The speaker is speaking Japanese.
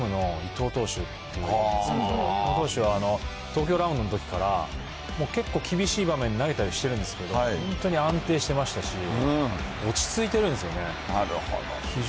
日本ハムの伊藤投手なんですけど、伊藤投手は東京ラウンドのときから結構厳しい場面に投げたりしてるんですけど、本当に安定してましたし、落ち着いてるんですよね。